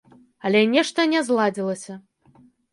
Але нешта не зладзілася.